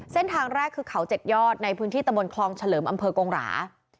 เส้นทางแรกคือเขา๗ยอดในพื้นที่ตะบนคลองเฉลิมอำเภอกงหรา